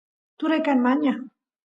turay kan mañaq